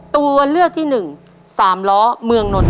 ตัวเลือกที่หนึ่งสามล้อเมืองนนท